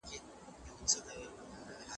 د عاید عادلانه وېش کولای سي فقر له منځه یوسي.